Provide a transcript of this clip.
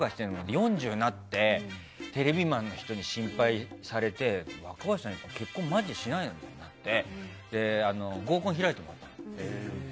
４０になってテレビマンの人に心配されて若林さん結婚マジでしないの？って合コン開いてもらったの。